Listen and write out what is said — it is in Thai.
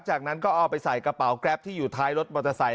จากนั้นก็เอาไปใส่กระเป๋าแกรปที่อยู่ท้ายรถมอเตอร์ไซค